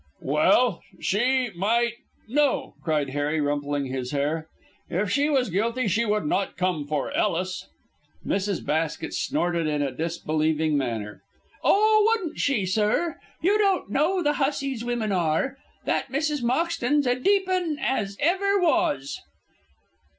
"Well she might No," cried Harry, rumpling his hair. "If she was guilty she would not come for Ellis." Mrs. Basket snorted in a disbelieving manner. "Oh, wouldn't she, sir? You don't know the hussies women are. That Mrs. Moxton's a deep 'un as ever was."